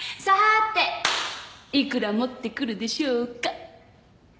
さていくら持ってくるでしょうか。